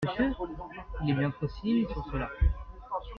Monsieur ?… il est bien trop timide pour cela !